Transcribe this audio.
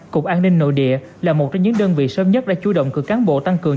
cục an ninh nội địa là một trong những đơn vị sớm nhất đã chú động cử cán bộ tăng cường